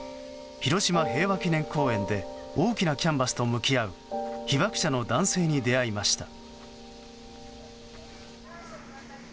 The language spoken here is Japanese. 広島平和記念公園で大きなキャンバスと向き合う被爆者の男性に出会いました。